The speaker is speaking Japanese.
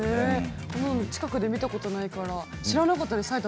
近くで見たことがなかったから知らなかった。